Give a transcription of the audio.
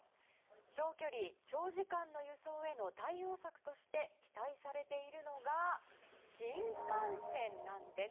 長距離・長時間の輸送への対応策として期待されているのが新幹線なんです。